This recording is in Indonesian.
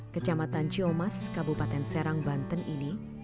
kecamatan ciomas kabupaten serang banten ini